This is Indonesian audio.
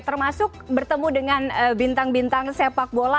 termasuk bertemu dengan bintang bintang sepak bola